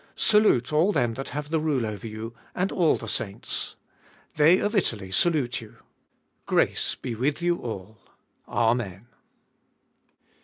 24. Salute all them that have the rule over you, and all the saints. They of Italy salute you. 25. Grace be with you all. Amen.